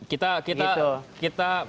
tidak saat ini